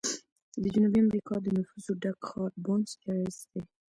د جنوبي امریکا د نفوسو ډک ښار بونس ایرس دی.